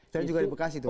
saya juga di bekasi tuh